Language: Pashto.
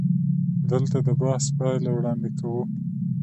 دلته د بحث پایله وړاندې کوو.